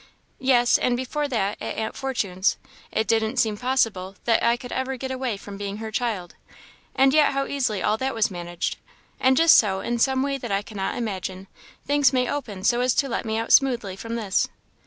Yes, and before that, at Aunt Fortune's, it didn't seem possible that I could ever get away from being her child; and yet how easily all that was managed. And just so, in some way that I cannot imagine, things may open so as to let me out smoothly from this."